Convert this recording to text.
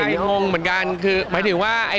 ตกใจห่งทีฮ่งเหมือนการ